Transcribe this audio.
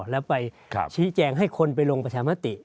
แล้วไปชี้แจงให้คนไปลงประชามติ